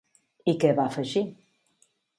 I què va afegir?